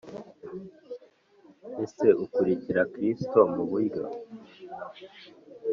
Ese ukurikira Kristo mu buryo